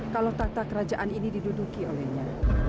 kalau tata kerajaan ini diduduki olehnya